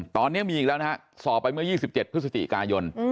ตอนนี้มีอีกแล้วนะฮะสอบไปเมื่อ๒๗พฤศจิกายน